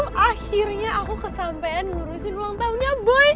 oh akhirnya aku kesampean ngurusin ulang tahunnya boy